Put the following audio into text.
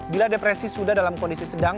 bila depresi sudah dalam kondisi sedang